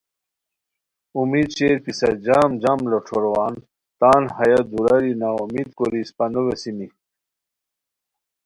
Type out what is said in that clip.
امید شیر پِسہ جم جم لوٹھوروان تان ہیہ دُراری نا امید کوری اِسپہ نو ویسیمی